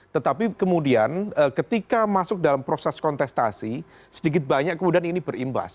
tetapi kemudian ketika masuk dalam proses kontestasi sedikit banyak kemudian ini berimbas